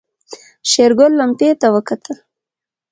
شېرګل لمپې ته وکتل.